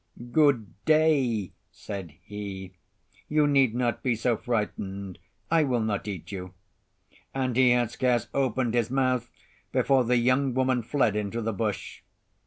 "Good day," said he. "You need not be so frightened; I will not eat you." And he had scarce opened his mouth before the young woman fled into the bush.